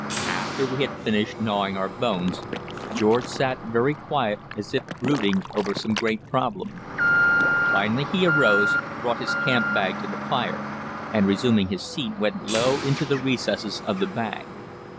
After we had finished gnawing our bones, George sat very quiet as if brooding over some great problem. Finally he arose, brought his camp bag to the fire, and, resuming his seat, went low into the recesses of the bag.